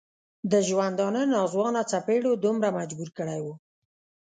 د ژوندانه ناځوانه څپېړو دومره مجبور کړی و.